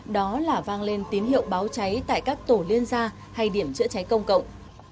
đó là vang lên tín hiệu báo cháy tại các tổ liên gia hay điểm chữa cháy công cộng